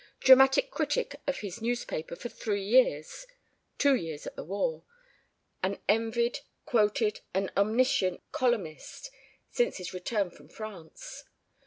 Dramatic critic of his newspaper for three years (two years at the war), an envied, quoted and omniscient columnist since his return from France.